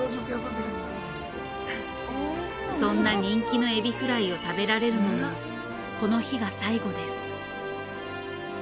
そんな人気の海老フライを食べられるのもこの日が最後です。